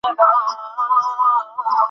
নাহলে নিজের বাড়ি ছেড়ে কেউ যেতে চায়?